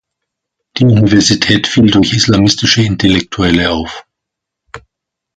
Die Universität fiel durch islamistische Intellektuelle auf.